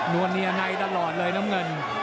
วลเนียในตลอดเลยน้ำเงิน